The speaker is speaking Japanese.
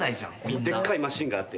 でっかいマシンがあって。